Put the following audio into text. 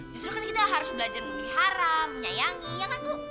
justru kan kita harus belajar memelihara menyayangi ya kan bu